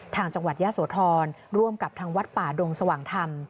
จังหวัดยะโสธรร่วมกับทางวัดป่าดงสว่างธรรม